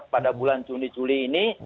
pada bulan juni juli ini